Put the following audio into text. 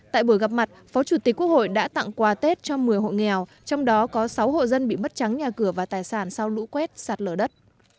tại buổi gặp mặt phó chủ tịch quốc hội đã tặng quà tết cho một mươi hộ nghèo trong đó có sáu hộ dân bị mất trắng nhà cửa và tài sản sau lũ quét sạt lở đất